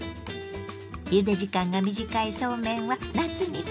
ゆで時間が短いそうめんは夏にピッタリ。